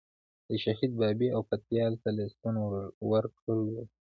د شهید بابی او پتیال ته لیستونه ورکړي ول.